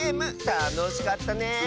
たのしかったね！